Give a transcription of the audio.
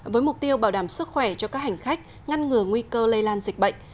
với mục tiêu bảo đảm sức khỏe cho các hành khách ngăn ngừa nguy cơ lây lan dịch bệnh